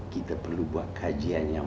kita perlu buat kajian yang